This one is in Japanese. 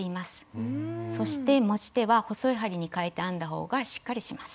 そして持ち手は細い針にかえて編んだ方がしっかりします。